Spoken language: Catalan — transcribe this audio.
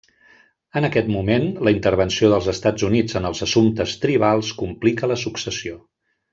En aquest moment, la intervenció dels Estats Units en els assumptes tribals complica la successió.